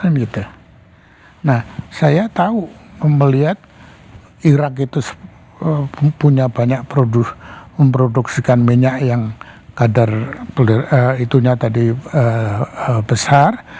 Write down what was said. nah saya tahu melihat irak itu punya banyak memproduksikan minyak yang kadar itunya tadi besar